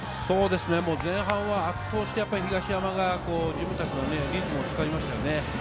前半は圧倒して東山が自分達のリズムをつかみましたよね。